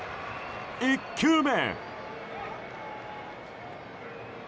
１球目。